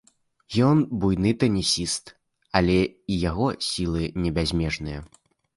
Ён буйны тэнісіст, але і яго сілы не бязмежныя.